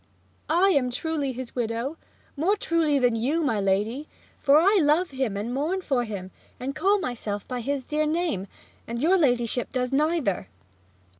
I am truly his widow. More truly than you, my lady! for I love him and mourn for him, and call myself by his dear name, and your ladyship does neither!'